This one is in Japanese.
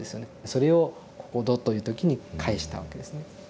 それを「ここぞ」という時に返したわけですね。